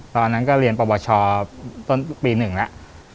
ตอนนั้นก็เรียนประวัติศาสตร์ต้นปี๑แล้ว